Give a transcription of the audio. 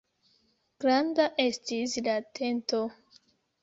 Granda estis la tento.